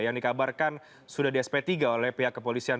yang dikabarkan sudah di sp tiga oleh pihak kepolisian